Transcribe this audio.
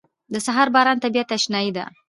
• د سهار باران د طبیعت اشنايي ده.